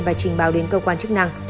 và trình báo đến cơ quan chức năng